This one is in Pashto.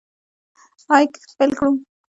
آیا کښت پیل کړو؟